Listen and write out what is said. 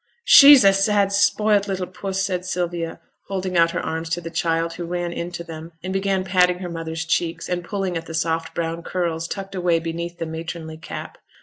'She's a sad spoilt little puss!' said Sylvia, holding out her arms to the child, who ran into them, and began patting her mother's cheeks, and pulling at the soft brown curls tucked away beneath the matronly cap.